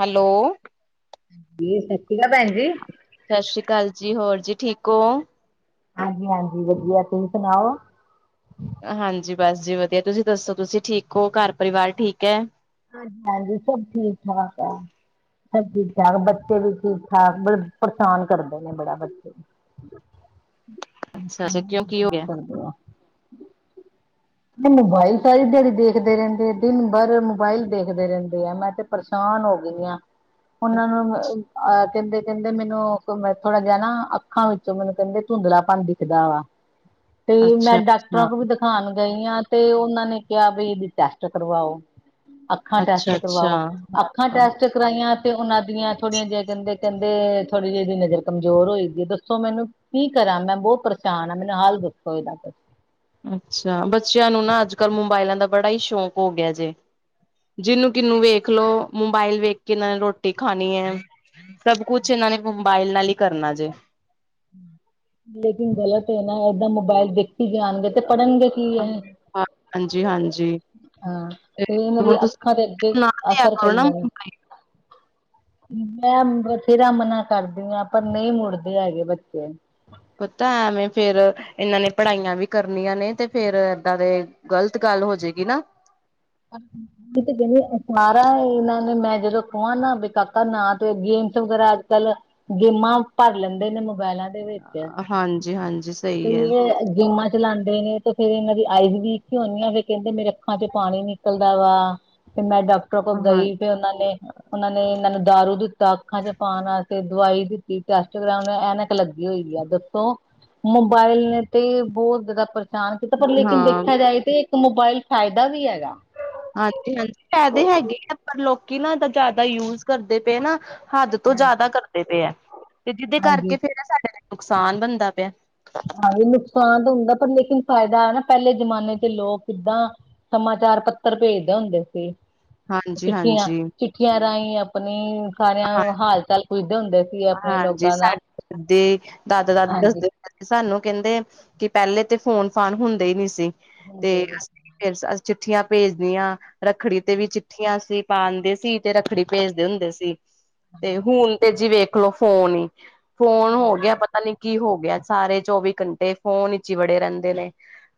Hello. ਜੀ ਸਤਿ ਸ਼੍ਰ ਅਕਾਲ ਭੈਣੀ। ਸਤਿ ਸ੍ਰੀ ਅਕਾਲ ਜੀ। ਹੋਰ ਜੀ ਠੀਕ ਹੋ। ਹਾਂਜੀ, ਹਾਂਜੀ ਵਧੀਆ ਤੁਸੀਂ ਸੁਣਾਓ। ਹਾਂਜੀ ਬਸ ਜੀ ਵਧੀਆ। ਤੁਸੀਂ ਦੱਸੋ ਤੁਸੀਂ ਠੀਕ ਹੋ ਘਰ ਪਰਿਵਾਰ ਠੀਕ ਹੈ। ਹਾਂਜੀ, ਹਾਂਜੀ ਸਭ ਠੀਕ- ਠਾਕ ਆ। ਸੂਬ ਠੀਕ, ਠਾਕ ਬੱਚੇ ਵੀ ਠੀਕ, ਠਾਕ ਬ ਪਰੇਸ਼ਾਨ ਕਰਦੇ ਨੇ ਬੜਾ ਬੱਚੇ। [unintelligible] ਅੱਛਾ ਜੀ ਅੱਛਾ ਕਿਉਂ ਕੀ ਹੋ ਗਿਆ। ਮੋਬਾਈਲ ਸਾਰੀ ਦਿਹਾੜੀ ਦੇਖਦੇ ਰਹਿੰਦੇ ਆ ਦਿਨ ਭਰ ਮੋਬਾਈਲ ਦੇਖਦੇ ਰਹਿੰਦੇ ਆ ਮੈਂ ਤੇ ਪਰੇਸ਼ਾਨ ਹੋ ਗਈ ਹਾਂ- ਉਹਨਾਂ ਨੂੰ ਅਹ ਕਹਿੰਦੇ ਕਹਿੰਦੇ ਮੈਨੂੰ ਥੋੜਾ ਜਿਹਾ ਨਾ ਅੱਖਾਂ ਵਿੱਚੋਂ ਮੈਨੂੰ ਕਹਿੰਦੇ ਧੁੰਦਲਾਪਨ ਦਿਖਦਾ ਵਾ- [unintelligible] ਤੇ ਅੱਛਾ ਮੈਂ ਅੱਛਾ, ਡਾਕਟਰਾਂ ਕੋਲ ਵੀ ਦਿਖਾਉਣ ਗਈ ਹਾਂ ਤੇ ਉਹਨਾਂ ਨੇ ਕਿਹਾ ਬ ਇਹਦੀ ਟੈਸਟ ਕਰਵਾਓ ਅੱਖਾਂ ਅੱਛਾ ਟੈਸਟ ਅੱਛਾ। ਕਰਵਾਓ ਅੱਖਾਂ ਟੈਸਟ ਅੱਖਾਂ ਚੈੱਕ ਕਰਵਾਈਆਂ ਤੇ ਉਹਨਾਂ ਦੀਆਂ ਥੋੜੀਆਂ ਜਿਆਂ ਕਹਿੰਦੇ ਕਹਿੰਦੇ ਥੋੜੀ ਜਿਹੀ ਦੀ ਨਜ਼ਰ ਕਮਜ਼ੋਰ ਹੋਏਗੀ ਹੈ ਦੱਸੋ ਮੈਨੂੰ ਕੀ ਕਰਾਂ। ਮੈਂ ਬਹੁਤ ਪਰੇਸ਼ਾਨ ਹਾਂ ਮੈਨੂੰ ਹਾਲ ਦੱਸੋ ਇਹਦਾ ਕੁ ਅੱਛਾ ਬੱਚਿਆਂ ਨੂੰ ਨਾ ਅੱਜ ਕੱਲ੍ਹ ਮੋਬਾਇਲਾਂ ਦਾ ਬੜਾ ਹੀ ਸ਼ੌਂਕ ਹੋ ਗਿਆ ਜੇ। ਜਿਹਨੂੰ ਕਿਨੂੰ ਵੇਖ ਲੋ ਮੋਬਾਇਲ ਵੇਖ ਕੇ ਇਹਨਾਂ ਨੇ ਰੋਟੀ ਖਾਣੀ ਹੈ। ਸਭ ਕੁਛ ਇਹਨਾਂ ਨੇ ਮੋਬਾਇਲ ਨਾਲ ਹੀ ਕਰਨਾ ਜੇ- ਲੇਕਿਨ ਗ਼ਲਤ ਹੈ ਨਾ ਏਦਾਂ ਮੋਬਾਇਲ ਦੇਖੀ ਵੀ ਆਂਦੇ ਹਾਂਜੀ ਹਾਂਜੀ ਹਾਂ ਤੇ ਇਹਨਾਂ ਹੁਣ ਦੀਆਂ ਤੁਸੀਂ ਅੱਖਾਂ ਤੇ ਅੱਗੇ ਸੁਣਾ ਦਿਆ ਅਸਰ ਕਰੋ ਪਈ ਨਾ ਜਾਵੇ ਮੈਂ ਬਥੇਰਾ ਮਨਾ ਕਰਦੀ ਹਾਂ ਪਰ ਨਹੀਂ ਮੁੜਦੇ ਹੈਗੇ ਬੱਚੇ ਪਤਾ ਐਵੇਂ ਫੇਰ ਇਹਨਾਂ ਨੇ ਪੜ੍ਹਾਈਆਂ ਵੀ ਕਰਨੀਆਂ ਨੇ ਤੇ ਫੇਰ ਏਦਾਂ ਦੇ ਗ਼ਲਤ ਗੱਲ ਹੋ ਜਾਏਗੀ ਨਾ [unintelligible] ਹਾਂ ਤੇ ਕਹਿੰਦੀ ਅ ਸਾਰਾ ਇਹਨਾਂ ਨੇ ਮੈਂ ਜਦੋਂ ਕਹਾਂ ਨਾ ਬ ਕਾਕਾ ਨਾ ਤੇ ਗੇਮਸ ਵਗੈਰਾ ਅੱਜ ਕੱਲ ਗੇਮਾਂ ਭਰ ਲੈਂਦੇ ਨੇ ਮੋਬਾਇਲਾਂ ਦੇ ਵਿੱਚ ਹਾਂਜੀ ਹਾਂਜੀ ਤੇ ਸਹੀ ਹੈ ਇਹ ਗੇਮਾਂ ਚਲਾਉਂਦੇ ਨੇ ਤੇ ਫੇਰ ਇਹਨਾਂ ਦੀ ਆਈ ਵੀਕ ਹੀਉਂਦੀ ਆ ਫ਼ਿਰ ਕਹਿੰਦੇ ਮੇਰੇ ਅੱਖਾਂ ਚ ਪਾਣੀ ਨ ਵਾ ਫਿਰ ਮੈਂ ਡਾਕਟਰਾਂ ਕੋਲ ਹਾਂ ਗਈ ਫਿਰ ਉਹਨਾਂ ਨੇ ਉਹਨਾਂ ਨੇ ਇਹਨਾਂ ਨੂੰ ਦਾਰੂ ਦਿੱਤਾ ਅੱਖਾਂ ਚ ਪਾਉਣ ਵਾਸਤੇ। ਦਵਾਈ ਦਿੱਤੀ ਟੈਸਟ ਕਰ ਐਨ- ਲੱਗੀ ਹੋਈ ਆ ਦੱਸੋ ਮੋਬਾਇਲ ਨੇ ਤੇ ਬਹੁਤ ਜ਼ਿਆਦਾ ਪਰਾਨ ਕੀਤਾ ਪਰ ਲੇਕਿਨ ਹਾਂ ਦੇਖਿਆ ਜਾਏ ਤੇ ਇੱਕ ਮੋਬਾਇਲ ਫਾਇਦਾ ਵੀ ਹੈਗਾ। ਹਾਂਜੀ ਹਾਂਜੀ ਪੈਦੇ ਹੈਗੇ ਆ ਪਰ ਲੋਕੀ- ਨਾ ਤਾਂ ਜ਼ਿਆਦਾ ਯੂਜ ਕਰਦੇ ਪਏ ਨਾ- ਹੱਦ ਤੋਂ ਜ਼ਿਆਦਾ ਕਰਦੇ ਪਏ ਹੈ ਤੇ ਜਿਹਦੇ ਕਰਕੇ ਹਾਂਜੀ ਫੇਿਰ ਨਾ ਸਾਡੇ ਨੁਕਸਾਨ ਬਣਦਾ ਪਿਆ। ਹਾਂਜੀ ਨੁਕਸਾਨ ਤਾਂ ਹੁੰਦਾ ਪਰ ਲੇਕਿਨ ਫਾਇਦਾ ਨਾ ਪਹਿਲੇ ਜਮਾਨੇ ਚ ਲੋਕ ਕਿੱਦਾਂ ਸਮਾਚਾਰ ਪੱਤਰ ਭੇਜਦੇ ਹੁੰਦੇ ਸੀ। ਹਾਂਜੀ ਚਿੱਠੀਆਂ ਹਾਂਜੀ ਹਾਂ ਚਿੱਠੀਆਂ ਰਾਹੀਂ ਆਪਣੀ ਸਾਰਿਆਂ ਹਾਲ ਚਾਲ ਪੁੱਜਦੇ ਹੁੰਦੇ ਸੀ ਆਪਣੇ ਹਾਂਜੀ ਲੋਕਾਂ ਦਾ ਸਾਡੇ ਦੇ ਦਾਦਾ ਦਾਦਾ ਹਾਂਜੀ ਦੱਸਦੇ ਸਾਨੂੰ ਕਹਿੰਦੇ ਕਿ ਪਹਿਲੇ ਤੇ ਫੋਨ ਫਾਨ ਹੁੰਦੇ ਹੀ ਨੀ ਸੀ ਹੁੰਦੇ ਤੇ ਨੇ ਫਿਰ ਅ ਚਿੱਠੀਆਂ ਭੇਜਦੀਆਂ ਰੱਖੜੀ ਤੇ ਵੀ ਚਿੱਠੀਆਂ ਸੀ ਪਾਉਂਦੇ ਸੀ ਤੇ ਰੱਖੜੀ ਭੇਜਦੇ ਹੁੰਦੇ ਸੀ ਤੇ ਹੁਣ ਤੇ ਜੀ ਵੇਖਲੋ ਫੋਨ ਹੀ ਫੋਨ ਹੋ ਹਾਂ, ਗਿਆ ਪਤਾ ਨੀ ਕੀ ਹੋ ਗਿਆ ਸਾਰੇ ਚੌਵੀ ਘੰਟੇ ਫੋਨ ਵਿਚ ਹੀ ਵੜੇ ਰਹਿੰਦੇ ਨੇ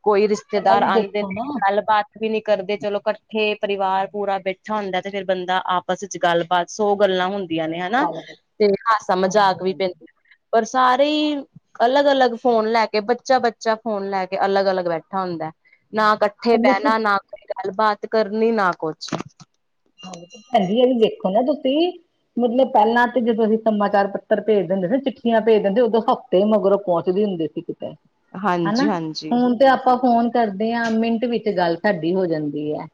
ਕੋਈ ਪਰ ਇਹ ਰਿਸ਼ਤੇਦਾਰ ਵੀ ਆਉਂਦੇ ਦੇਖੋ ਨਾ ਨੇ ਗੱਲਬਾਤ ਵੀ ਨੀ ਕਰਦੇ ਚਲੋ ਇਕੱਠੇ ਪਰਿਵਾਰ ਪੂਰਾ ਬੈਠਾ ਹੁੰਦਾ ਤੇ ਫੇਿਰ ਬੰਦਾ ਆਪਸ ਵਿੱਚ ਗੱਲਬਾਤ ਸੌ ਗੱਲਾਂ ਹੁੰਦੀ ਆਂ ਨੇ ਹਨਾ ਚੱਲ ਪਏ। ਤੇ ਹਾਸਾ ਹਾਂਜੀ ਮਜ਼ਾਕ ਵੀ ਹਾਂਜੀ ਪੈਂਦੇ ਪਰ ਸਾਰੇ ਹੀ ਅਲੱਗ ਅਲੱਗ ਫੋਨ ਲੈ ਕੇ ਬੱਚਾ ਬੱਚਾ ਫੋਨ ਲੈ ਕੇ ਅਲੱਗ ਅਲੱਗ ਬੈਠਾ ਹੁੰਦਾ ਨਾ ਇਕੱਠੇ ਮਤਲਬ ਕਿ ਬਹਿਣਾ ਨਾ ਕੋਈ ਗੱਲਬਾਤ ਕਰਨੀ ਨਾ ਕੁਛ। [unintelligible] ਪੈਂਜੀ ਇਹ ਵੀ ਵੇਖੋ ਨਾ ਤੁਸੀ ਮਤਲਬ ਪਹਿਲਾਂ ਤੇ ਜਦੋਂ ਅਸੀਂ ਸਮਾਚਾਰ ਪੱਤਰ ਭੇਜ ਦਿੰਦੇ ਨਾ ਚਿੱਠੀਆਂ ਭੇਜ ਦਿੰਦੇ ਉਦੋਂ ਤੇ ਮਗਰੋਂ ਪਹੁੰਚਦੀ ਹੁੰਦੀ ਸੀ ਕਿਤੇ ਹਾਂਜੀ ਹਨਾ ਹਾਂਜੀ ਹੁਣ ਤੇ ਆਪਾਂ ਫੋਨ ਕਰਦੇ ਹਾਂ ਮਿੰਟ ਵਿੱਚ ਗੱਲ ਸਾਡੀ ਹੋ ਜਾਂਦੀ ਹੈ।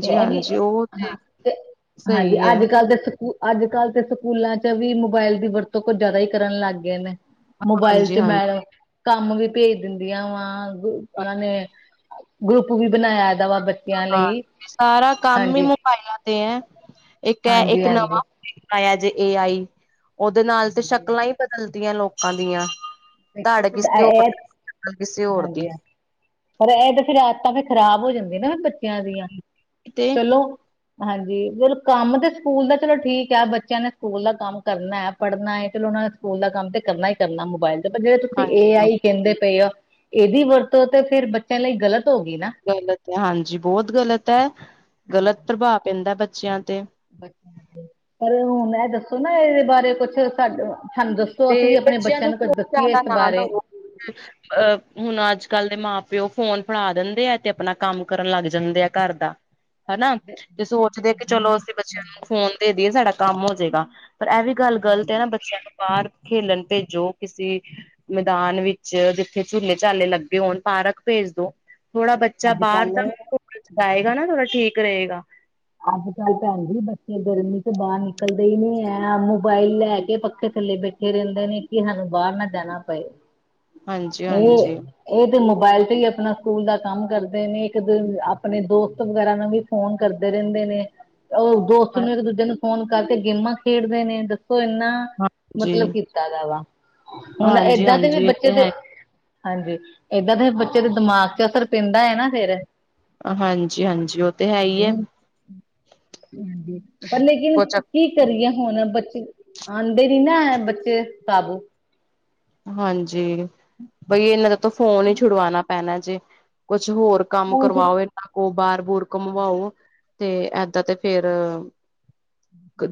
ਤੇ ਇਹ ਵੀ ਹਾਂਜੀ ਉਹ ਹਾਂ ਤੇ ਹਾਂਜੀ ਸਹੀ ਹੈ ਅੱਜ ਕੱਲ ੱਲ ਸਕੂ ਅੱਜ ਕੱਲ੍ਹ ਤੇ ਸਕੂਲਾਂ ਚ ਵੀ ਮੋਬਾਇਲ ਦੀ ਵਰਤੋਂ ਕੁਝ ਜ਼ਿਆਦਾ ਹੀ ਕਰਨ ਲੱਗ ਗਏ ਨੇ। ਮੋਬਾਇਲ ਹਾਂਜੀ ਚ ਮੈ ਹਾਂਜੀ ਕੰਮ ਵੀ ਭੇਜ ਦਿੰਦੀਆਂ ਵਾ ਉਹਨਾਂ ਨੇ ਗਰੁੱਪ ਵੀ ਬਣਾਇਆ ਇਹਦਾ ਵਾ ਬੱਚਿਆਂ ਹਾਂ ਲਈ ਸਾਰਾ ਕੰਮ ਹੀ ਹਾਂਜੀ ਮੋਬਾਈਲਾਂ ਤੇ ਐ ਇੱਕ ਹੈ ਹਾਂਜੀ ਇੱਕ ਹਾਂਜੀ ਨਵਾਂ ਆਆ ਜੇ ਏ ਆਈ ਉਹਦੇ ਨਾਲ ਤੇ ਹਾਂਜੀ ਸ਼ਕਲਾਂ ਹੀ ਬਦਲਦੀਆਂ ਲੋਕਾਂ ਦੀਆਂ। ਦੇਖੋ ਧੜ ਫਿਰ ਕਿਸੇ ਹੋਰ ਇਹ ਕਿਸੇ ਹੋਰ ਹਾਂਜੀ ਦੀ। ਪਰ ਇਹ ਤੇ ਫਿਰ ਆਦਤਾਂ ਫੇ ਖ਼ਰਾਬ ਹੋ ਜਾਂਦੀ ਨਾ ਬੱਚਿਆਂ ਦੀਆਂ ਤੇ ਚਲੋ। ਹਾਂਜੀ ਚਲ ਕੰਮ ਤੇ ਸਕੂਲ ਦਾ ਚਲੋ ਠੀਕ ਹੈ ਬੱਚਿਆਂ ਨੇ ਸਕੂਲ ਦਾ ਕੰਮ ਕਰਨਾ ਹੈ ਪੜ੍ਹਨਾ ਹੈ ਚਲੋ ਉਹਨਾਂ ਸਕੂਲ ਦਾ ਕੰਮ ਤੇ ਕਰਨਾ ਹੀ ਕਰਨਾ ਮੋਬਾਇਲ। ਤੇ ਜਿਹੜੇ ਤੁਸੀਂ ਏ ਹਾਂਜੀ ਆਈ ਕਹਿੰਦੇ ਪਏ ਹੋ ਇਹਦੀ ਵਰਤੋਂ ਤੇ ਫੇਿਰ ਬੱਚਿਆਂ ਲਈ ਗ਼ਲਤ ਹੋ ਗਈ ਨਾ। ਗਲਤ ਹੈ ਹਾਂਜੀ ਬਹੁਤ ਗਲਤ ਹੈ ਹਾਂਜੀ ਗ਼ਲਤ ਪ੍ਰਭਾਵ ਪੈਂਦਾ ਬੱਚਿਆਂ ਤੇ। ਬੱਚਿਆਂ ਪਰ ਹੁਣ ਇਹ ਦੱਸੋ ਨਾ ਇਹਦੇ ਬਾਰੇ ਕੁਛ ਸਾਡ ਸਾਨੂੰ ਦੱਸੋ। ਅਸੀਂ ਵੀ ਤੇ ਆਪਣੇ ਬੱਚਿਆਂ ਨੂੰ ਕੁੱਝ ਫੋਨ ਦੱਸੀਏ ਜਿਆਦਾ ਇਸ ਨਾ ਬਾਰੇ ਦਵੋ। ਅਹ ਹੁਣ ਅੱਜ ਕੱਲ ਦੇ ਮਾਂ ਪਿਓ ਫੋਨ ਫੜਾ ਦਿੰਦੇ ਆ ਤੇ ਆਪਣਾ ਕੰਮ ਕਰਨ ਲੱਗ ਜਾਂਦੇ ਆ ਘਰ ਦਾ। [inaudible] ਹਨਾ ਤੇ ਸੋਚਦੇ ਆ ਕਿ ਚਲੋ ਅਸੀਂ ਬੱਚਿਆਂ ਨੂੰ ਫੋਨ ਦੇ ਦੇਈਏ ਸਾਡਾ ਕੰਮ ਹੋਜਏਗਾ ਪਰ ਇਹ ਵੀ। ਗੱਲ ਗਲਤ ਹੈ ਨਾ ਬੱਚਿਆਂ ਨੂੰ ਬਾਹਰ ਖੇਲਣ ਭੇਜੋ ਕਿੇਸੀ ਮੈਦਾਨ ਵਿੱਚ ਜਿੱਥੇ ਝੂਲੇ ਝਾਲੇ ਲੱਗੇ ਹੋਣ ਪਾਰਕ ਭੇਜ ਦੋ। ਥੋੜਾ ਬੱਚਾ ਅੱਜ ਬਾਹਰ ਦਾਲ ਕੱਲ ਜਾਏਗਾ ਨਾ ਥੋੜਾ ਠੀਕ ਰਹੇਗਾ। ਅੱਜ ਕੱਲ ਭੈਣ ਜੀ ਬੱਚੇ ਗਰਮੀ ਤੋਂ ਬਾਹਰ ਨਿਕਲਦੇ ਹੀ ਨੀ ਹੈ ਮੋਬਾਇਲ ਲੈ ਕੇ ਪੱਖੇ ਥੱਲੇ ਬੈਠੇ ਫੇ ਰਹਿੰਦੇ ਨੇ ਕਿ ਸਾਨੂੰ ਬਾਹਰ ਨਾ ਜਾਣਾ ਪਏ। ਹਾਂਜੀ ਹਾਂਜੀ ਇਹ ਤੇ ਮੋਬਾਇਲ ਤੇ ਹੀ ਆਪਣਾ ਸਕੂਲ ਦਾ ਕੰਮ ਕਰਦੇ ਨੇ ਇੱਕ ਦ ਆਪਣੇ ਦੋਸਤ ਵਗੈਰਾ ਨੂੰ ਵੀ ਫੋਨ ਕਰ ਰਹਿੰਦੇ ਨੇ ਉਹ ਦੋਸਤ ਨੂੰ ਇੱਕ ਦੂਜੇ ਨੂੰ ਫੋਨ ਕਰਕੇ ਗੇਮਾਂ ਖੇਡਦੇ ਨੇ ਦੱਸੋ ਇੰਨਾ ਹਾਂਜੀ ਮਤਲਬ ਕੀਤਾ ਗ ਵਾ ਹੁਣ ਹਾਂਜੀ ਏਦਾਂ ਦੇ ਵੀ ਹਾਂਜੀ ਇਹ ਬੱਚੇ ਤੇ ਦੇ ਹੈ। ਹਾਂਜੀ ਇਏਦਾਂ ਦੇ ਬੱਚੇ ਦੇ ਦਿਮਾਗ ਚ ਅਸਰ ਪੈਂਦਾ ਹੈ ਨਾ ਫਿਰ। ਹਾਂਜੀ ਹਾਂਜੀ ਉਹ ਤੇ ਹੈ ਹੀ ਹੈ। [unintelligible] ਹਾਂਜੀ ਪਰ ਲੇਕਿਨ ਕੁਛ ਕੀ ਕਰੀਏ ਹੁਣ ਬੱਚੇ ਆਉਂਦੇ ਨੀ ਨਾ ਬੱਚੇ ਕਾਬੂ। ਹਾਂਜੀ ਬਈ ਇਹਨਾਂ ਦਾ ਤ ਫੋਨ ਹੀ ਛੁਡਵਾਉਣਾ ਪੈਣਾ ਜੇ ਕੁਛ ਹੋਰ ਕੰਮ ਹੁਣ ਤੇ ਕਰਵਾਓ ਇਹਨਾਂ ਕੋ, ਬਾਹਰ ਬੁਰ ਘੁੰਮਵਾਓ ਤੇ ਏਦਾਂ ਤੇ ਫੇਰ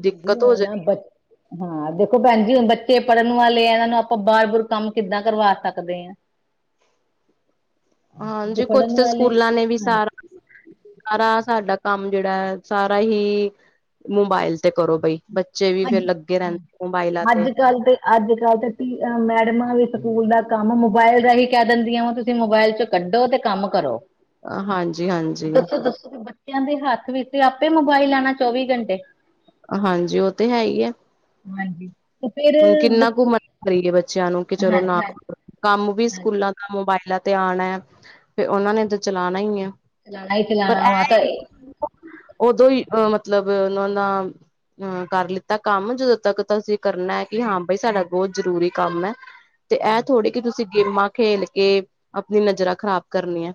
ਦਿੱਕਤ ਹੋ ਜਾਣੀ [unintelligible] ਹਾਂ ਦੇਖੋ ਭੈਣ ਜੀ, ਹੁਣ ਬੱਚੇ ਪੜ੍ਹਨ ਵਾਲੇ ਆ ਇਹਨਾਂ ਨੂੰ ਆਪਾਂ ਬਾਹਾਰ ਬੁਰ ਕੰਮ ਕਿੱਦਾਂ ਕਰਵਾ ਸਕਦੇ ਹਾਂ? [unintelligible] [unintelligible] ਜੇ ਹਾਂਜੀ, ਕੁਛ ਪੜ੍ਹਨ ਤਾਂ ਵਾਲੇ ਸਕੂਲਾਂ ਨੇ ਵੀ ਸਾਰਾ ਸਾਰਾ ਸਾਡਾ ਕੰਮ ਜਿਹੜਾ ਹੈ ਸਾਰਾ ਹੀ ਮੋਬਾਇਲ ਤੇ ਕਰੋ ਬਈ, ਬੱਚੇ ਵੀ ਅੱਜ ਫੇਰ ਲੱਗੇ ਰਹਿੰਦੇ ਮੋਬਾਇਲਾਂ ਤੇ। ਅੱਜ ਕੱਲ ਅੱਜ ਕੱਲ੍ਹ ਤਾਂ ਮੈਡਮਾਂ ਵੀ ਸਕੂਲ ਦਾ ਕੰਮ, ਮੋਬਾਇਲ ਦਾ ਹੀ ਕਹਿ ਦਿੰਦੀਆਂ ਵ ਤੁਸੀਂ ਮੋਬਾਇਲ ਚ ਕੱਢੋ, ਤੇ ਕੰਮ ਕਰੋ। ਹਾਂਜੀ ਹਾਂਜੀ ਦੱਸੋ, ਦੱਸੋ ਬੱਚਿਆਂ ਦੇ ਹੱਥ ਵਿੱਚ ਤੇ ਆਪੇ ਮੋਬਾਈਲ ਲੈਣਾ ਚੌਵੀ ਘੰਟੇ। ਹਾਂਜੀ, ਉਹ ਤੇ ਹੈ ਹੀ ਹੈ। ਹਾਂਜੀ। ਫਿਰ ਹੁਣ ਕਿੰਨਾ ਕੁ ਦੱਸੋ ਮ--ਕਰੀਏ ਬੱਚਿਆਂ, ਨੂੰ ਕਿ ਚਲੋ ਹਾਂਜੀ ਨਾ ਹਾਂ ਕੰਮ ਵੀ ਸਕੂਲਾਂ ਦਾ ਮੋਬਾਇਲਾਂ ਤੇ ਆਉਣਾ ਏ, ਫਿਰ ਉਹਨਾਂ ਨੇ ਤਾਂ ਚਲਾਣਾ ਹੀ ਹੈ। ਚਲਾਣਾ ਹੀ ਪਰ ਚਲਾਣਾ ਵਾ ਤਾਂ ਇਹ, ਉਦੋਂ ਹੀ, ਮਤਲਬ ਉਹਨਾਂ ਦਾ ਹਮ, ਕਰ ਲਿੱਤਾ ਕੰਮ ਜਦੋਂ ਤੱਕ ਤਾਂ ਅਸੀਂ ਕਰਨਾ ਏ। ਕਿ ਹਾਂ ਬਾਈ, ਸਾਡਾ ਬਹੁਤ ਜ਼ਰੂਰੀ ਕੰਮ ਹੈ ਤੇ ਇਹ ਥੋੜ੍ਹੀ ਕਿ ਤੁਸੀਂ ਗੇਮਾਂ ਖੇਲ ਕੇ, ਆਪਣੀ ਨਜ਼ਰਾਂ ਖ਼ਰਾਬ ਕਰਨੀੀਆਂ।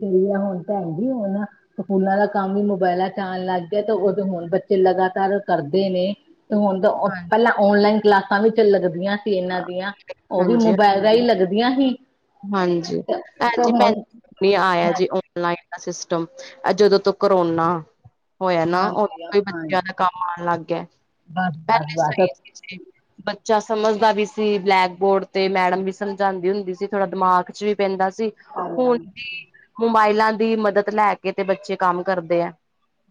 ਤੇ ਆ ਹੁਣ ਤਾਂ ਹੈ ਜ ਹੁਣ [unintelligible] ਸਕੂਲਾ ਦਾ ਕੰਮ ਵੀ ਮੋਬਾਇਲਾਂ ਚ ਆਉਣ ਲੱਗ ਗਿਆ ਤੇ ਉਦੋਂ ਹੁਣ ਬੱਚੇ ਲਗਾਤਾਰ ਕਰਦੇ ਨੇ। ਹੁਣ ਤਾਂ ਪਹਿਲਾਂ, ਔਨਲਾਈਨ ਕਲਾਸਾਂ ਵੀ ਚ ਲੱਗਦੀਆਂ। ਇਹਨਾਂ ਦੀਆਂ, ਉਹ ਵੀ ਹਾਂਜੀ ਮੋਬਾਇਲਾਂ ਹੀ ਲੱਗਦੀਆਂ ਹੀ। ਹਾਂਜੀ, [unintelligible] ਭ ਜੀੈ ਆਇਆ ਜੀ ਹਾਂਜੀ ਓਫਲਾਈਨ। ਸਿਸਟਮ, ਆ ਜਦੋਂ ਤੋਂ ਕਰੋਨਾ ਹੋਇਆ ਨਾ, ਹਾਂਜੀ ਉਦੋਂ ਈ ਬੱਚਿਆਂ ਹਾਂਜੀ ਦਾ ਕੰਮ ਆਉਣ ਲੱਗ ਗਿਆ, ਬਸ ਪਹਿਲੇ ਬਸ ਬਸ ਸਹੀ ਸੀ। ਬੱਚਾ ਸਮਝਦਾ ਵੀ ਸੀ, ਬਲੈਕ ਬੋਰਡ ਤੇ, ਮੈਡਮ ਵੀ ਸਮਝਾਉਂਦੀ ਹੁੰਦੀ ਸੀ। ਥੋੜਾ ਦਿਮਾਗ ਚ ਵੀ ਪੈਂਦਾ ਸੀ, ਹੁਣ ਹਾਂਜੀ ਵੀ ਮੋਬਾਇਲਾਂ ਦੀ ਮਦਦ ਲੈ ਕੇ ਤੇ ਬੱਚੇ ਕੰਮ ਕਰਦੇ ਹੈ।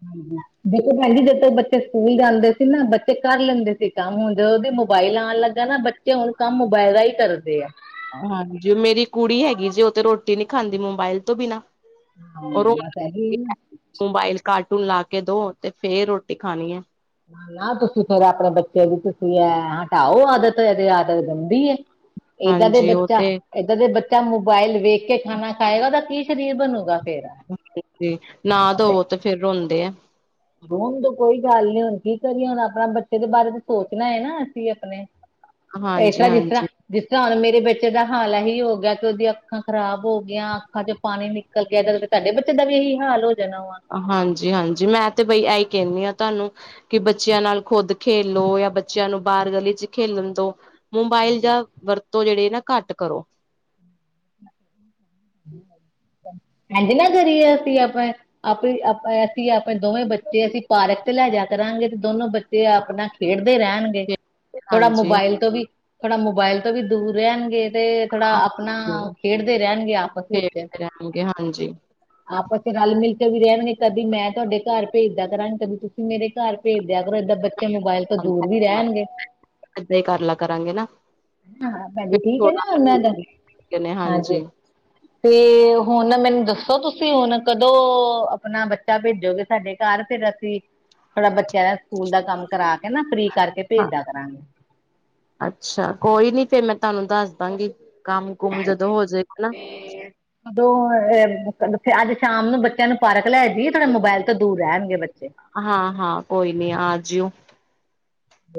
ਹਾਂਜੀ। ਦੇਖੋ ਭੈਣ ਜੀ, ਜਦੋਂ ਬੱਚੇ ਸਕੂਲ ਜਾਂਦੇ ਸੀ ਨਾ ਬੱਚੇ ਕਰ ਲੈਂਦੇ ਸੀ ਕੰਮ, ਹੁਣ ਜਦੋਂ ਉਹਦੇ ਮੋਬਾਇਲ ਆਉਣ ਲੱਗਾ ਨਾ ਬ ਤੇ ਹੁਣ ਕੰਮ ਮੋਬਾਇਲ ਰਾਹੀ ਕਰਦੇ ਆ। ਹਾਂਜੀ, ਮੇਰੀ ਕੁੜੀ ਹੈਗੀ ਜੇ ਉਹ ਤੇ ਰੋਟੀ ਨਹੀ ਖਾਂਦੀ ਮੋਬਾਇਲ ਤੋਂ ਬਿਨਾ। ਹਾਂ ਬਸ [unintelligible] ਇਹੀ ਹੈ ਨਾ ਮੋਬਾਈਲ ਕਾਰਟੂਨ ਲਾ ਕੇ ਦੋ ਤੇ ਫੇਰ ਰੋਟੀ ਖਾਣੀ ਹੈ। ਨਾ ਤੁਸੀਂ ਫੇਿਰ ਆਪਣੇ ਬੱਚੇ ਨੂੰ ਤੁਸੀਂ ਐ ਹਟਾਓ ਆਦਤ, ਇਹ ਤੇ ਆਦਤ ਗੰਦੀ ਐ। ਏਦਾਂ ਦੇ ਹਾਂਜੀ ਉਹ ਬੱਚਾ ਤੇ ਇੱਦਾਂ ਦੇ ਬੱਚਾ ਮੋਬਾਇਲ ਵੇਖ ਕੇ ਖਾਣਾ ਖਾਏਗਾ ਉਹਦਾ ਕੀ ਸਰੀਰ ਬਣੂਗਾ ਫੇਰ? ਨਾ ਦੋ ਤੇ ਫੇਰ ਰੋਂਦੇ ਆ। ਰੋਣ ਦੋ ਕੋਈ ਗੱਲ ਨੀ ਹੁਣ ਕੀ ਕਰੀਏ ਹੁਣ ਆਪਣਾ ਬੱਚੇ ਦੇ ਬਾਰੇ ਤੇ ਸੋਚਣਾ ਹੈ ਨਾ, ਅਸੀਂ ਆਪਣੇ ਇਸ ਤਰ੍ਹਾਂ, ਜਿਸ ਤਰ੍ਹਾਂ ਹਾਂਜੀ-ਹਾਂਜੀ, ਜਿਸ ਤਰਾ ਹੁਣ ਮੇਰੇ ਬੇਟੇ ਦਾ ਹਾਲ ਇਹੀ ਹੋ ਗਿਆ ਕਿ ਉਹਦੀ ਅੱਖਾਂ ਖਰਾਬ ਹੋ ਗਈਆਂ। ਅੱਖਾਂ ਚ ਪਾਣੀ ਨਿਕਲ ਕੇ ਇਦਾ ਤੇ ਤੁਹਾਡੇ ਬੱਚੇ ਦਾ ਵੀ ਇਹੀ ਹਾਲ ਹੋ ਜਾਣਾ ਵਾ। ਹਾਂਜੀ, ਹਾਂਜੀ ਮੈਂ ਤੇ ਬਈ ਐਹੀ ਕਹਿੰਦੀ ਹਾਂ ਤੁਹਾਨੂੰ ਕਿ ਬੱਚਿਆਂ ਨਾਲ ਖੁੱਦ ਖੇਲ ਲੋ ਜਾਂ ਬੱਚਿਆਂ ਨੂੰ ਬਾਹਰ ਗਲੀ ਚ ਖੇਲਣ ਦੋ। ਮੋਬਾਇਲ ਜਾਂ ਵਰਤੋਂ ਜਿਹੜੇ ਨਾ ਘੱਟ ਕਰੋ। ਇਝ ਨਾ ਕਰੀਏ, ਅਸੀਂ ਆਪਾਂ ਆਪਣੀ ਆਪ ਅਸੀਂ ਆਪਣੇ ਦੋਵੇਂ ਬੱਚੇ ਅਸੀਂ ਪਾਰਕ ਤੇ ਲੈ ਜਾ ਕਰਾਂਗੇ ਤੇ ਦੋਨੋ ਬੱਚੇ ਤੇ ਆਪਣਾ ਖੇਡਦੇ ਰਹਿਣਗੇ, ਥੋੜਾ ਹਾਂਜੀ ਮੋਬਾਇਲ ਤੋਂ ਵੀ ਥੋੜਾ ਮੋਬਾਇਲ ਤੋਂ ਵੀ ਦੂਰ ਰਹਿਣਗੇ ਤੇ ਥੋੜਾ ਆਪਣਾ ਖੇਡਦੇ ਰਹਿਣਗੇ ਆਪ ਖੇਡਦੇ ਰਹਿਣਗੇ, ਹਾਂਜੀ। ਆਪਸ ਰਲ -ਮਿਲ ਕੇ ਵੀ ਰਹਿਣਗੇ, ਕਦੀ ਮੈਂ ਤੁਹਾਡੇ ਘਰ ਭੇਜਦਾਂ ਕਰਾਂਗੀ, ਕਦੀ ਤੁਸੀਂ ਮੇਰੇ ਘਰ, ਭੇਜਦੇ ਕਰੋ, ਏਦਾਂ ਬੱਚੇ ਮੋਬਾਇਲ ਤੋਂ ਦੂਰ ਵੀ ਰਹਿਣਗੇ ਇੱਦਾਂ, ਹੀ ਕਰ ਲੱ ਭੈਜੀ ਠੀਕ ਹੈ ਨਾ, ਉਹਨਾਂ ਦਾ, ਥੋੜਾ ਨੇ ਹਾਂਜੀ। ਤੇ ਹੁਣ ਮੈਨੂੰ ਦੱਸੋ, ਤੁਸੀਂ ਹੁਣ ਕਦੋਂ ਆਪਣਾ ਬੱਚਾ ਭੇਜੋਗੇ? ਸਾਡੇ ਘਰ, ਫਿਰ ਅਸੀਂ ਥੋੜਾ, ਬੱਚਿਆਂ ਦਾ ਸਕੂਲ ਦਾ ਕੰਮ ਕਰਾ ਕੇ, ਨਾ ਫਰੀ ਕਰਕੇ ਹਾਂ ਭੇਜਦਾ ਕਰਾਂਗੀ ਅੱਛਾ, ਕੋਈ ਨੀ ਫੇਰ ਮੈਂ, ਤੁਹਾਨੂੰ ਦੱਸ ਦਾਂਗੀ, ਕੰਮ ਕੁਮ ਜਦੋਂ ਹੋਜਏਗਾ, ਨਾ ਉਦੋਂ, ਅੱਜ ਸ਼ਾਮ ਨੂੰ ਬੱਚਿਆਂ ਨੂੰ ਪਾਰਕ ਲੈ ਜਈਏ, ਤੁਹਾਡੇ ਮੋਬਾਇਲ ਤੋਂ ਦੂਰ ਰਹਿਣਗੇ ਬੱਚੇ। ਹਾਂ- ਹਾਂ ਕੋਈ ਨੀ, ਆ ਜਿਓ।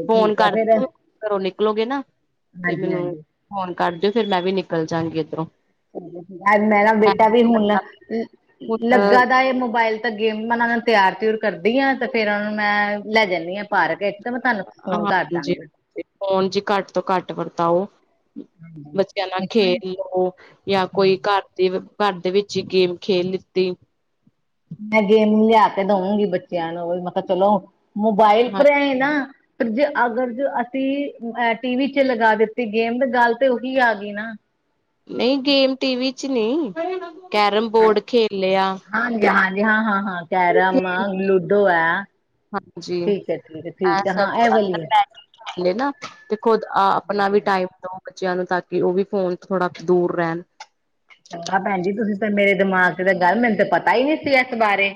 ਫੋਨ ਠੀਕ ਆ ਕਰ ਫਿਰ ਕੇ, ਘਰੋਂ ਨਿਕਲੋਗੇ ਨਾ, ਤੇ ਹਾਂਜੀ ਮੈਨੂੰ ਹਾਂਜੀ ਫੋਨ ਕਰ ਦਿਓ, ਫਿਰ ਮੈਂ ਵੀ ਨਿਕਲ ਜਾਂਗੀ, ਇੱਧਰੋਂ ਅੱਜ, ਮੇਰਾ ਬੇਟਾ ਵੀ ਹੁਣ ਹੁਣ ਲੱਗਾ ਦਾ, ਇਹ ਮੋਬਾਇਲ ਤਾਂ, ਗੇਮ ਮੈਂ ਨੂੰ ਤਿਆਰ ਤਉਰ ਕਰਦੀ ਆ, ਤੇ ਫੇਰ ਉਹਨਾਂ ਨੂੰ ਮੈਂ ਲੈ, ਜਾਂਦੀ ਹਾਂ ਪਰਕ ਗਏ ਤੇ, ਮੈਂ ਤੁਹਾਨੂੰ ਫੋਨ ਕਰ ਹਾਂਜੀ ਦਾਂਗੀ। ਫੋਨ ਜੀ, ਘੱਟ ਤੋਂ ਘੱਟ ਵਰਤਾਓ? ਹਾਂਜੀ ਬੱਚਿਆਂ, ਨਾਲ ਇਸ ਤਰ੍ਹਾਂ ਹੀ ਖੇਲ ਲੋ, ਜਾਂ ਕੋਈ ਘਰ ਤੇ, ਘਰ ਦੇ ਵਿੱਚ ਹੀ ਗੇਮ, ਖੇਲ ਲਿੱਤੀ। ਮੈਂ, ਗੇਮ ਲਿਆ ਕੇ ਦੇਵਾਗੀ ਬੱਚਿਆਂ ਨੂੰ, ਮਤਲਬ ਚਲੋ ਮੋਬਾਈਲ, ਪਰੇ ਨ ਹਾਂਜੀ, ਜੇ ਅਗਰ ਜੋ, ਅਸੀਂ ਟੀਵੀ ਚ ਲਗਾ ਦਿੱਤੀ ਗੇਮ, ਦੀ ਗੱਲ ਤੇ ਉਹੀ ਆ ਗਈ ਨਾ ਨਹੀਂ, ਗੇਮ ਟੀਵੀ ਚ ਨੀ, ਕੈਰਮ ਬੋਰਡ, ਖੇਲ ਲਿਆ। ਹਾਂਜੀ -ਹਾਂਜੀ ਹਾਂ -ਹਾਂ ਹਾਂਜੀ। ਕੈਰਮਮਾਲ ਲੂਡੋ ਹੈ, ਹਾਂਜੀ, ਠੀਕ ਹੈ -ਠੀਕ ਹੈ ਠੀਕ ਹੈ, ਐਹੋਹੈ ਹਾਂਲੇ ਨਾ, ਤੇ ਖੁਦ ਆਪਣਾ ਹਾਂਜੀ ਵੀ ਹਾਂਜੀ। ਟਾਈਮ ਦਓ ਬੱਚਿਆਂ ਨੂੰ, ਤਾਂ ਕਿ ਉਹ ਵੀ, ਫੋਨ ਥੋੜਾ ਦੂਰ ਰਹਿਣ? ਚੰਗਾ ਭੈਣ ਜੀ, ਤੁਸੀਂ ਤਾਂ ਮੇਰੇ ਦਿਮਾਗ ਚ ਤਾਂ ਗੱਲ, ਮੈਨੂੰ ਤਾਂ ਪਤਾ ਹੀ ਨਹੀਂ ਸੀ ਇਸ ਬਾਰੇ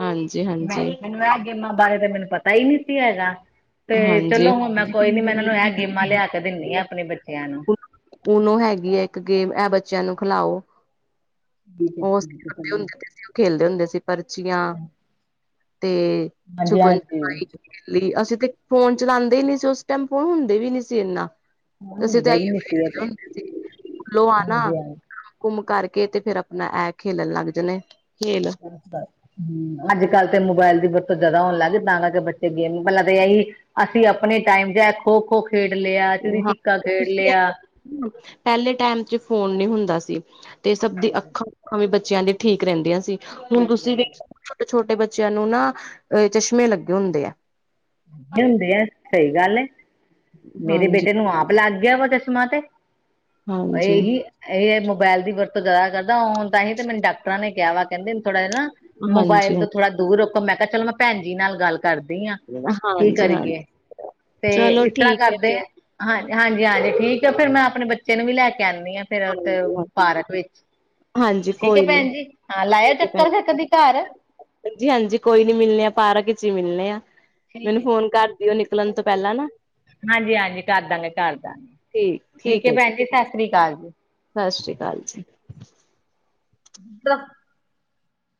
ਹਾਂਜੀ, ਮੈਂ ਹਾਂਜੀ, ਮੈਨੂੰ, ਇਹ ਗੇਮਾਂ ਬਾਰੇ ਤਾਂ, ਮੈਨੂੰ ਪਤਾ ਹੀ ਨਹੀਂ ਸੀ ਹੈਗਾ। ਤੇ ਹਾਂਜੀ। ਚਲੋ ਹੁਣ ਮੈਂ, ਕੋਈ ਨੀ ਮੈਂ ਇਹਨਾਂ ਨੂੰ ਇਹ ਗੇਮਾਂ ਲਿਆ ਕੇ ਦਿੰਦੀ ਆ, ਆਪਣੇ ਬੱਚਿਆਂ ਨੂੰ ਪੋਨੋ ਹੈਗੀ ਹੈ ਇੱਕ ਗੇਮ, ਐ ਬੱਚਿਆਂ ਨੂੰ ਖਿਲਾਓ? ਠੀਕ ਹੈ ਠੀਕ ਹੈ ਛੋਟੇ ਚਲੋ ਹੁੰਦੇ ਸੀ, ਉਹ ਖੇਲਦੇ ਹੁੰਦੇ ਅਸੀ, ਪਰਚੀਆਂ ਤੇ ਛੁਪਨ, ਹਾਂਜੀ-ਹਾਂਜੀ, ਸਿਪਾਈ ਅਸੀਂ ਤੇ, ਫੋਨ ਚਲਾਉਂਦੇ ਹੀ ਨਹੀਂ ਸੀ, ਉਸ ਟਾਈਮ ਫੋਨ ਹੁੰਦੇ ਵੀ ਨੀ ਸੀ, ਇਨਾ ਹੁਣ ਅਸੀਂ ਤੇ ਹੁੰਦਾ ਵੀ ਆਈਓ ਨੀ ਸੀ ਇਹ [unintelligible] ਤਾਂ, ਘੁੰਮ ਹਾਂਜੀ-ਹਾਂਜੀ। ਕਰਕੇ, ਤੇ ਫੇਰ ਆਪਣਾ ਐ ਖੇਲਣ ਲੱਗ ਜਾਣੇ ਖੇਲ ਹਮ, ਅੱਜ -ਕੱਲ ਤੇ ਮੋਬਾਇਲ ਦੀ ਵਰਤੋਂ ਜਿਆਦਾ ਹੋਣ ਲੱਗ ਗਈ, ਤਾਂ ਕਰਕੇ ਬੱਚੇ ਗੇਮ ਪਹਿਲਾਂ ਤਾਂ ਇਹੀ ਅਸੀਂ, ਆਪਣੇ ਟਾਈਮ ਚ, ਖੋ -ਖੋ, ਖੇਡ ਲਿਆ ਚਿੜੀ ਚਿੱਕਾ, ਖੇਡ ਲਿਆ। ਹ, ਪਹਿਲੇ ਟਾਈਮ ਚ ਫੋਨ ਨੀ ਹੁੰਦਾ ਸੀ, ਤੇ ਸਭ ਦੀ ਹਾਂਜੀ, ਅੱਖਾਂ ਭਾਵੇਂ ਬੱਚਿਆਂ ਦੀ, ਠੀਕ ਰਹਿੰਦੀਆਂ ਸੀ, ਹੁਣ ਠੀਕ ਤੁਸੀਂ ਰਹਿੰਦਾ। ਵਖ ਛੋਟੇ -ਛੋਟੇ ਬੱਚਿਆਂ ਨੂੰ ਨਾ ਅ ਚਸ਼ਮੇ, ਲੱਗੇ ਹੁੰਦੇ ਆ? ਹੁੰਦੇ ਆ ਸਹੀ, ਗੱਲ ਏ। ਮੇਰੇ ਹਾਂਜੀ ਬੇਟੇ ਨੂੰ, ਆਪ ਲੱਗ ਗਿਆ ਵਾ ਚਸ਼ਮਾ ਤੇ, ਹਾਂਜੀ ਇਹੀ ਇਹਹੀ, ਮੋਬਾਇਲ ਦੀ ਵਰਤੋਂ ਜ਼ਿਆ ਕਰਦਾ, ਹਣ ਤਾਂ ਹੀ ਮੈਨੂੰ ਡਾਕਟਰਾਂ ਨੇ ਕਿਹਾ ਵਾ ਕਹਿੰਦੇ, ਥੋੜਾ ਜਿਹਾ ਨਾ ਹਾਂਜੀ ਮੋਬਾਇਲ ਤੋਂ, ਥੋੜਾ ਦੂਰ ਰੱਖੋ, ਮੈਂ ਕਿਹਾ, ਚਲੋ ਮੈਂ ਭੈਣ ਜੀ ਨਾਲ ਗੱਲ ਕਰਦੀ ਆ ਕੀ ਹਾਂਜੀ, - ਕਰੀਏ। ਹਾਂਜੀ ਚਲੋ ਠੀਕ ਹੈ ਫੇਰ ਹਾਂਜੀ, ਹਾਂਜੀ -ਹਾਂਜੀ ਠੀਕ ਆ ਫੇਰ, ਮੈਂ ਆਪਣੇ ਬੱਚੇ ਨੂੰ ਵੀ ਲੈ ਕੇ ਆਨੀ, ਹਾਂ ਫੇਰ ਉਥੇ, ਹਾਂਜੀ ਉਹ ਪਾਰਕ ਵਿੱਚ ਹਾਂਜੀ ਠੀਕ ਹੈ ਕੋਈ ਨੀ ਭੈਣ ਜੀ, ਹਾਂ ਲਾਇਓ ਚੱਕਰ ਫੇਰ ਕਦੀ ਘਰ? ਹਾਂਜੀ -ਹਾਂਜੀ ਕੋਈ ਨੀ ਮਿਲਣੇ ਆ, ਪਾਰਕ ਚ ਹੀ ਮਿਲਣੇ ਆ ਠੀਕ ਮੈਨੂੰ, ਹੈ ਜੀ ਫੋਨ ਠੀਕ ਕਰਦੀਓ, ਨਿਕਲਣ ਤੋਂ ਪਹਿਲਾਂ ਨਾ ਹਾਂਜੀ ਹਾਂਜੀ ਕਰਦਾਂਗੇ ਕਰਦਾਂਗੇ ਠੀਕ ਹੈ ਭੈਣ ਜੀ ਸਤਿ ਸ੍ਰੀ ਅਕਾਲ ਜੀ ਸਤਿ ਸ਼੍ਰੀ ਅਕਾਲ ਜੀ [unintelligible] ਪਰ